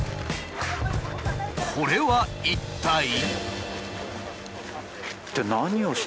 これは一体。